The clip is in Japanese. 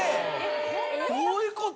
どういうこと？